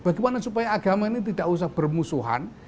bagaimana supaya agama ini tidak usah bermusuhan